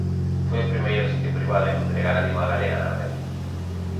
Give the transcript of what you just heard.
Foi o primeiro sitio privado en empregar a lingua galega na rede.